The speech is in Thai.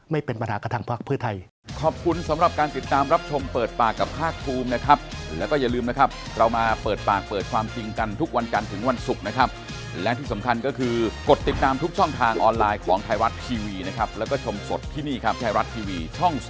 ไม่เป็นปัญหากระทั่งภาคภื้อไทย